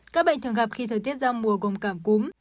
các bệnh thường gặp khi thời tiết giao mùa gồm cảm cúm